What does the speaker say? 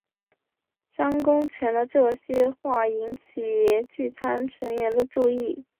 张公权的这些话引起聚餐成员的注意。